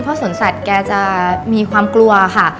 เพราะสวนสัตว์แกจะมีความกลัวค่ะ